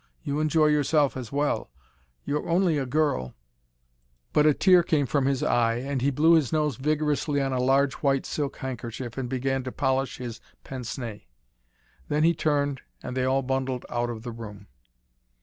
You enjoy yourself as well. You're only a girl " But a tear came from his eye, and he blew his nose vigorously on a large white silk handkerchief, and began to polish his pince nez. Then he turned, and they all bundled out of the room.